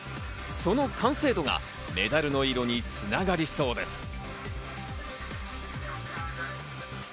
その完成度がメダルの色に繋がりそうです。